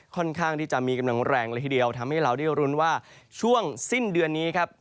ค่อนข้างที่จะมีกำลังแรงเลยทีเดียวทำให้เราได้รุ้นว่าช่วงสิ้นเดือนนี้ครับ